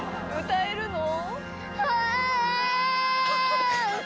歌えるの？